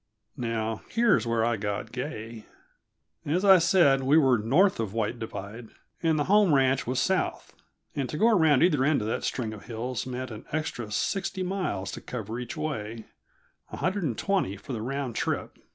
Now, here's where I got gay. As I said, we were north of White Divide, and the home ranch was south, and to go around either end of that string of hills meant an extra sixty miles to cover each way a hundred and twenty for the round trip.